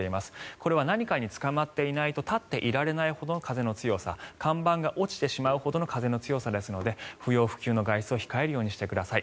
これは何かにつかまっていないと立っていられないほどの風の強さ看板が落ちてしまうほどの風の強さですので不要不急の外出を控えるようにしてください。